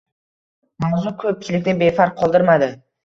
Mavzu ko‘pchilikni befarq qoldirmadi